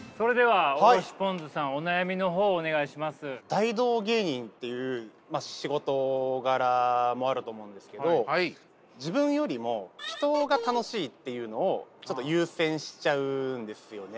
大道芸人っていう仕事柄もあると思うんですけど自分よりも人が楽しいっていうのをちょっと優先しちゃうんですよね。